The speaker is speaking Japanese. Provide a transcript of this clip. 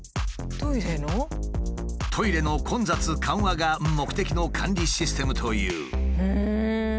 トイレの混雑緩和が目的の管理システムという。